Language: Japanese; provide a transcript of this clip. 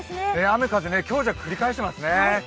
雨・風、強弱繰り返していますね。